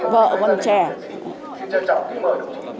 vợ còn trẻ